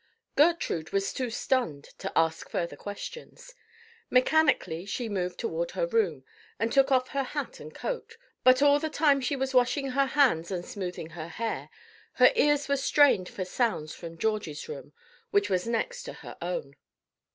Gertrude was too stunned to ask further questions. Mechanically she moved toward her room, and took off her hat and coat; but all the time she was washing her hands and smoothing her hair, her ears were strained for sounds from Georgie's room, which was next her own.